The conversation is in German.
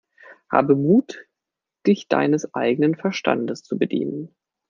Habe Mut, dich deines eigenen Verstandes zu bedienen!